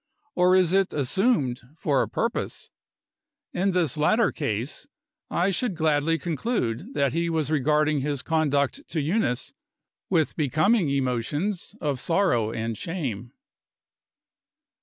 Or is it assumed for a purpose? In this latter case, I should gladly conclude that he was regarding his conduct to Eunice with becoming emotions of sorrow and shame.